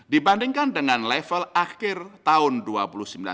dibandingkan dengan level akhir tahun dua ribu dua puluh rupiah dan mata uang regional